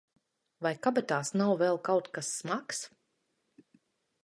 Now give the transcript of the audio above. Vai kabatās nav vēl kaut kas smags?